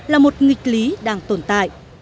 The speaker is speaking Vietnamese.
là một nghịch lý đang tồn tại